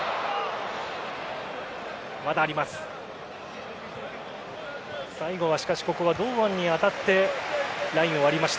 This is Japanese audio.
まだあります。